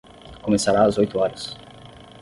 Começará às oito horas.